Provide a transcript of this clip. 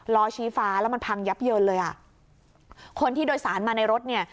ล้อชี้ฟ้าแล้วมันพังยับเยินเลยอ่ะคนที่โดยสารมาในรถเนี่ย